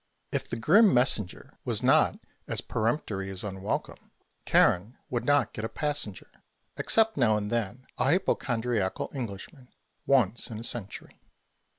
If the grim messenger was not as peremptory as unwelcome, Charon would not get a passenger (except now and then a hypochondriacal Englishman) once in a century.